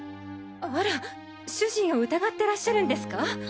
あら主人を疑ってらっしゃるんですか？